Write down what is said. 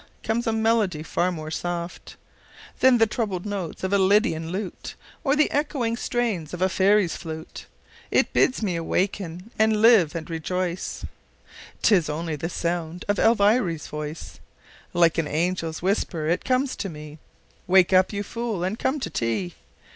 comes a melody far more soft Than the troubled notes of a lydian lute Or the echoing strains of a fairy's flute; It bids me awaken and live and rejoice, 'Tis only the sound of Elviry's voice Like an angel's whisper it comes to me: "Wake up, you fool, and come to tea."